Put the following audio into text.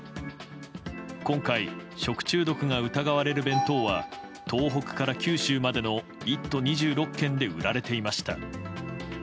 今回、食中毒が疑われる弁当は東北から九州までの１都２６県で売られていました。